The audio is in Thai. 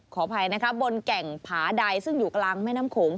ขออภัยนะคะบนแก่งผาใดซึ่งอยู่กลางแม่น้ำโขง